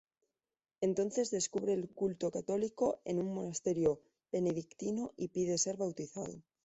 Entonces descubre el culto católico en un monasterio benedictino y pide ser bautizado.